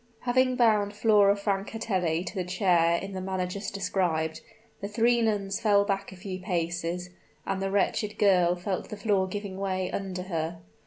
Having bound Flora Francatelli to the chair in the manner just described, the three nuns fell back a few paces, and the wretched girl felt the floor giving way under her.